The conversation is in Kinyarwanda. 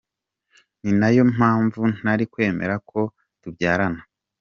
Ninayo mpamvu ntari kwemera ko tubyarana.